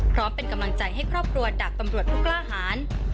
พร้อมเป็นกำลังใจให้ครอบครัวดาบตำรวจผู้กล้าหาร